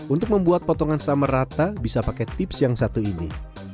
untuk membuat potongan summer rata bisa pakai tips yang satu ini